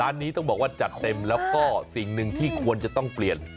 นี้ต้องบอกว่าจัดเต็มแล้วก็สิ่งหนึ่งที่ควรจะต้องเปลี่ยน